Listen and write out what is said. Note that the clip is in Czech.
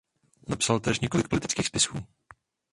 Napsal též několik politických spisů.